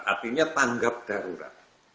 artinya tanggap darurat